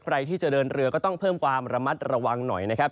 ใครที่จะเดินเรือก็ต้องเพิ่มความระมัดระวังหน่อยนะครับ